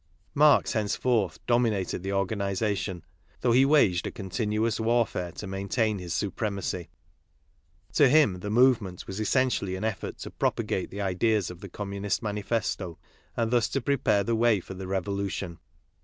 Marx henceforth dominated the organization, though he waged a continuous war fare to maintain his supremacy. To him, the movement was essentially an effort to propag*;e the ideas of the Com, munist Manifesto and thus to prepare the way for the revolution.